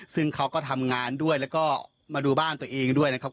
ซึ่งเขาก็ทำงานด้วยแล้วก็มาดูบ้านตัวเองด้วยนะครับ